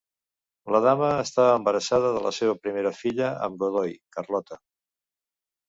La dama estava embarassada de la seva primera filla amb Godoy, Carlota.